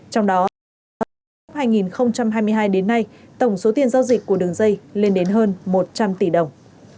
trong đó hai nghìn hai mươi hai đến nay tổng số tiền giao dịch của đường dây lên đến hơn một trăm linh tỷ đồng